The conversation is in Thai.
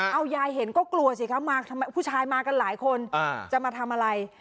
เอายายเห็นก็กลัวสิคะมาทำไมผู้ชายมากันหลายคนจะมาทำอะไร